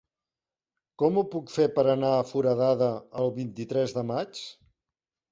Com ho puc fer per anar a Foradada el vint-i-tres de maig?